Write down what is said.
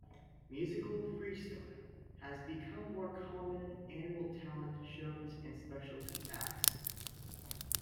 Musical freestyle has become more common in animal talent shows and speciality acts.